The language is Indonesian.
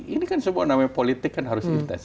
ini kan semua namanya politik kan harus intest